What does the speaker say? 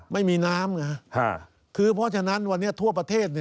ไม่มีน้ำไงคือเพราะฉะนั้นวันนี้ทั่วประเทศ